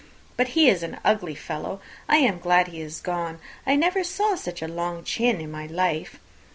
But he is an ugly fellow! I am glad he is gone. I never saw such a long chin in my life.